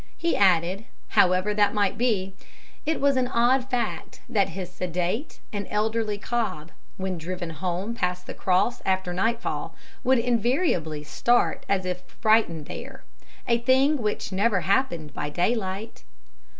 He added, however that might be, it was an odd fact that his sedate and elderly cob, when driven home past the Cross after nightfall, would invariably start as if frightened there, a thing which never happened by daylight."